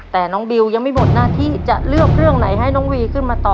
แต่น้องบิวยังไม่หมดหน้าที่จะเลือกเรื่องไหนให้น้องวีขึ้นมาต่อ